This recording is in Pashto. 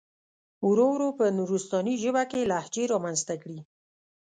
ورو ورو په نورستاني ژبه کې لهجې را منځته کړي.